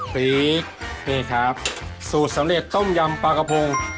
สีนี่ครับสูตรสำเร็จต้มยำปลากระพง